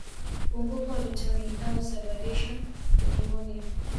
upungufu wa vitamini A husababisha nimonia